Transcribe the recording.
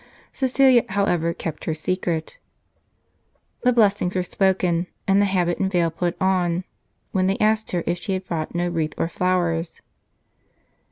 Ca3cilia, however, kept her secret. The blessings were spoken, and the habit and veil put on ; when they asked her if she had brought no wreath or flowers.